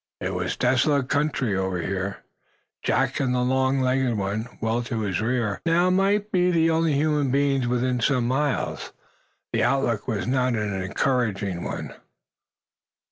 It was desolate country, over here. Jack and the long legged one, well to his rear, now, might be the only human beings within some miles. The outlook was not an encouraging one.